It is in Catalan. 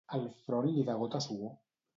El front li degota suor.